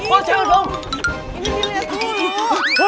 oh jangan mau